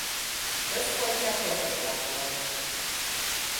Központja Pozsonyban volt.